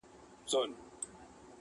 پردى تخت نن كه سبا وي د پردو دئ،،!